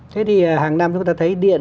thế thì hàng năm chúng ta thấy điện